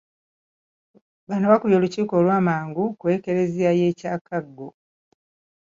Bano bakubye olukiiko olw'amangu ku Ekereziya y'e Kyakago.